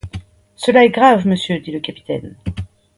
Cela est grave, monsieur, dit le capitaine.